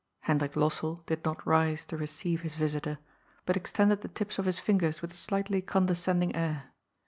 Hendrik Lossell did not rise to receive his visitor, but extended the tips of his fingers with a slightly condescend ing air.